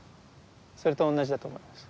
それと同じだと思います。